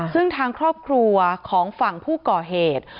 ซึ่งทางครอบครัวของฝั่งผู้ก่อเหตุ